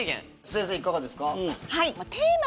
先生いかがですか？